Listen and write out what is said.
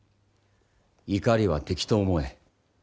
「怒りは敵と思え」。